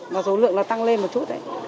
mà số lượng nó tăng lên một chút đấy